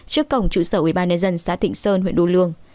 trước cổng trụ sở ubnd xã tịnh sơn huyện đô lương